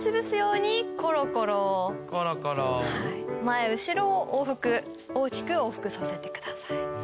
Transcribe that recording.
前後ろを往復大きく往復させてください。